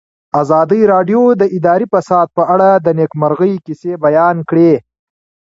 ازادي راډیو د اداري فساد په اړه د نېکمرغۍ کیسې بیان کړې.